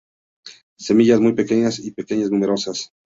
Semillas muy pequeñas y numerosas.